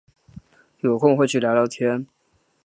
有空会去聊聊天